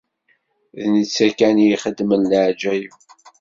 D netta kan i ixeddmen leɛǧayeb!